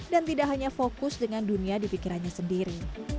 dan tidak hanya fokus dengan dunia di pikirannya sendiri